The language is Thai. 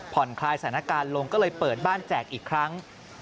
คลายสถานการณ์ลงก็เลยเปิดบ้านแจกอีกครั้ง